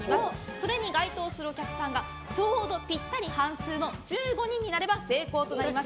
それに該当するお客さんがちょうどぴったり半数の１５人になれば成功となります。